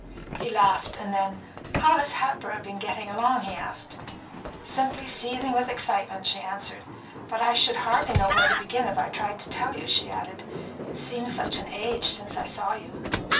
He laughed, and then, "How has Hatboro' been getting along?" he asked. "Simply seething with excitement," she answered. "But I should hardly know where to begin if I tried to tell you," she added. "It seems such an age since I saw you."